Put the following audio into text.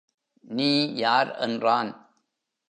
நீ யார் என்றான்.